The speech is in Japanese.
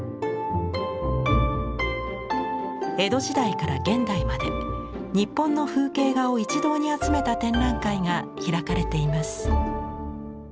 江戸時代から現代まで日本の風景画を一堂に集めた展覧会が開かれています。